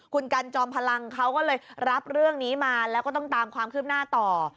คุณกันจอมพลังเขาก็เลยรับเรื่องนี้มาแล้วก็ต้องตามความคืบหน้าต่อ